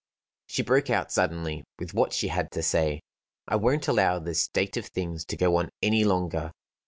She broke out suddenly with what she had to say: "I won't allow this state of things to go on any longer.